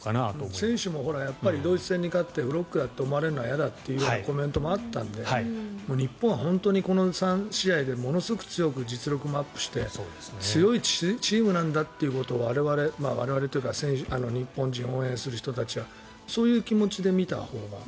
選手もドイツ戦で勝ってフロックだと思われるのは嫌だというコメントもあったので日本は本当にこの３試合でものすごく強く実力もアップして強いチームなんだっていうことを我々、我々というか日本人応援する人たちはそういう気持ちで見たほうが。